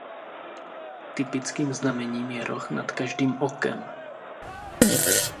Typickým znamením je roh nad každým okem.